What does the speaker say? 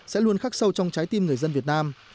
sẽ luôn khắc sâu trong trái tim người dân việt nam